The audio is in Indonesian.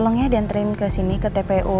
tolong yah dianterin ke sini ke tpu